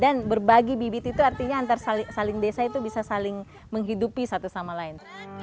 dan berbagi bibit itu artinya antara saling desa itu bisa saling menghidupi satu sama lain